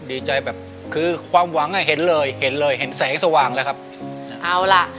ดีใจแบบคือความหวังอ่ะเห็นเลยเห็นเลยเห็นแสงสว่างแล้วครับเอาล่ะ